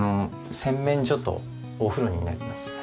洗面所とお風呂になります。